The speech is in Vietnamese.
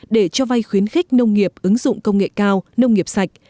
để cho vay khuyến khích nông nghiệp ứng dụng công nghệ cao nông nghiệp sạch